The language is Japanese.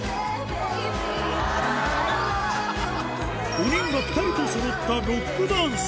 ５人がぴたりとそろったロックダンス